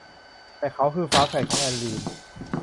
แต่เขาคือ ฝาแฝดของเอลลีน